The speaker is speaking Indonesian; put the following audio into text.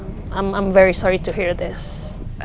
saya sangat minta maaf untuk mendengarnya